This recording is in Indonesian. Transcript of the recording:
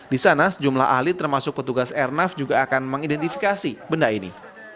di sana sejumlah ahli termasuk petugas airnav juga akan mengidentifikasi benda ini